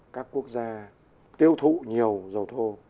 các quốc gia tiêu thụ nhiều dầu thô